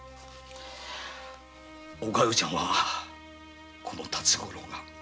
お加代ちゃんはこの辰五郎が。